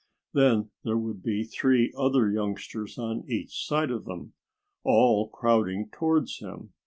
Then there would be three other youngsters on each side of him, all crowding towards him.